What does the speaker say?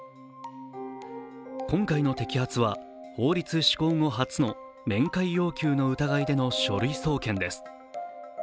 今回の摘発は法律施行後初の面会要求の疑いでの書類送検です。